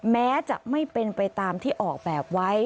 แม้จะไม่เป็นไปตามที่ออกแบบไว้